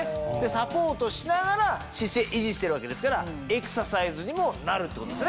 サポートしながら姿勢維持してるわけですからエクササイズにもなるってことですね。